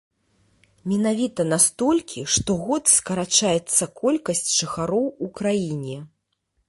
Менавіта на столькі штогод скарачаецца колькасць жыхароў у краіне.